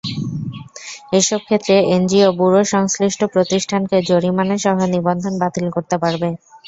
এসব ক্ষেত্রে NGO bureau সংশ্লিষ্ট প্রতিষ্ঠানকে জরিমানাসহ নিবন্ধন বাতিল করতে পারবে।